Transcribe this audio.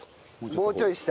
もうちょい下？